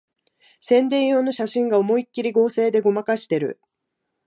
宣伝用の写真が思いっきり合成でごまかしてる